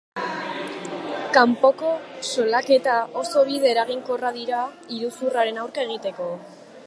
Kanpoko salaketak oso bide eraginkorra dira iruzurraren aurka egiteko.